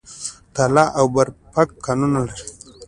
تاله او برفک کانونه لري؟